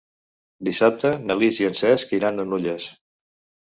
Dissabte na Lis i en Cesc iran a Nulles.